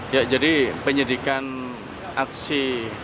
ya jadi penyidikan aksi